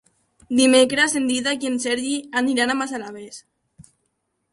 Dimecres en Dídac i en Sergi aniran a Massalavés.